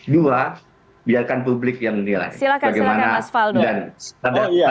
dua biarkan publik yang menilai bagaimana